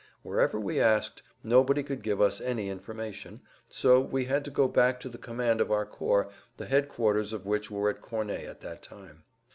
Wherever we asked, nobody could give us any information. So we had to go back to the command of our corps, the headquarters of which were at Corney at that time.